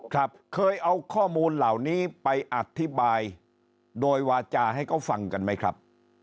ครับเคยเอาข้อมูลเหล่านี้ไปอธิบายโดยวาจาให้เขาฟังกันไหมครับ